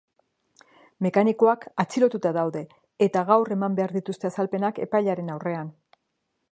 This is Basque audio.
Mekanikoak atxilotuta daude, eta gaur eman behar dituzte azalpenak epailearen aurrean.